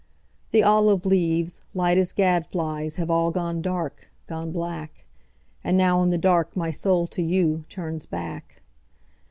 The olive leaves, light as gad flies, Have all gone dark, gone black. And now in the dark my soul to youTurns back.